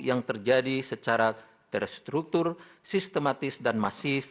yang terjadi secara terstruktur sistematis dan masif